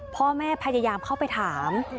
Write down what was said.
พ่อแม่พยายามเข้าไปถาม